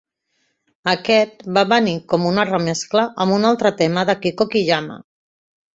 Aquest va venir com una remescla amb un altre tema d'Akiko Kiyama.